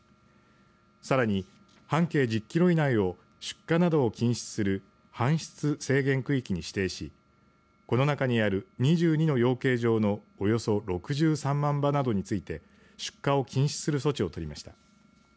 さらに、半径１０キロ以内を出荷などを禁止する搬出制限区域に指定しこの中にある２２の養鶏場のおよそ６３万羽などについて出荷を禁止する措置を取りました。